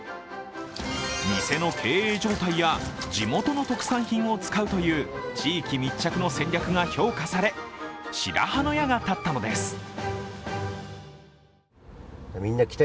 店の経営状態や地元の特産品を使うという地域密着の戦略が評価され、白羽の矢が立ったのです。